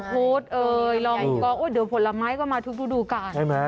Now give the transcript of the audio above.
ลองก็เดี๋ยวผลไม้ก็มาทุกก่อน